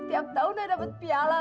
tiap tahun ayah dapet piala